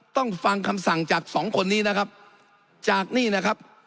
ต้องฟังคำสั่งจากสองคนนี้นะครับจากนี่นะครับ